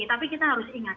tapi kita harus ingat